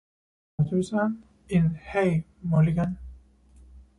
Patterson in "Hey, Mulligan".